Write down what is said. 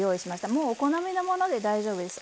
もうお好みのもので大丈夫です。